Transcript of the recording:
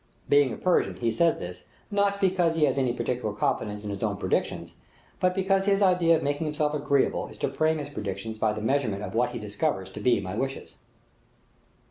Being a Persian, he says this, not because he has any particular confidence in his own predictions, but because his idea of making himself agreeable is to frame his predictions by the measurement of what he discovers to be my wishes.